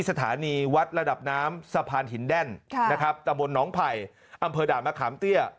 สถานีวัดระดับน้ำสะพานหินแดนนะครับตะบนน้องไผ่อำเภอด่านมะขามเตี้ย